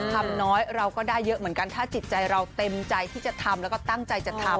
ทำน้อยเราก็ได้เยอะเหมือนกันถ้าจิตใจเราเต็มใจที่จะทำแล้วก็ตั้งใจจะทำ